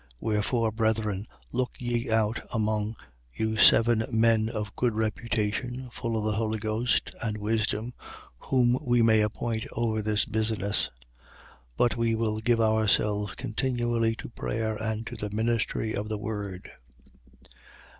6:3. Wherefore, brethren, look ye out among you seven men of good reputation, full of the Holy Ghost and wisdom, whom we may appoint over this business. 6:4. But we will give ourselves continually to prayer and to the ministry of the word.